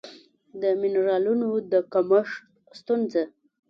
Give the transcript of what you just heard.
د مېنرالونو د کمښت ستونزه